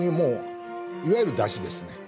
いわゆる、だしです。